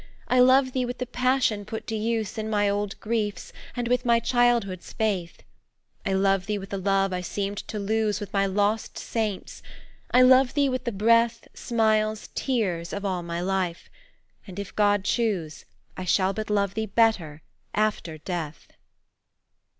I love thee with the passion put to use In my old griefs, and with my childhood's faith. I love thee with a love I seemed to lose With my lost saints I love thee with the breath, Smiles, tears of all my life! and, if God choose, I shall but love thee better after death."